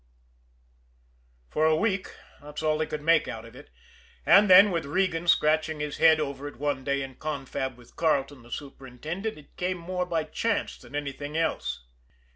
For a week that's all they could make out of it, and then, with Regan scratching his head over it one day in confab with Carleton, the superintendent, it came more by chance than anything else.